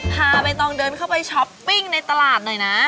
ใบตองเดินเข้าไปช้อปปิ้งในตลาดหน่อยนะ